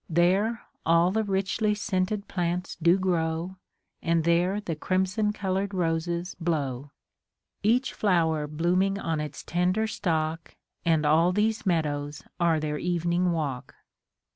There all the richly scented plants do grow, And there the crimson colored roses blow ; Each flower blooming on its tender stalk, And all these meadows are their evening walk.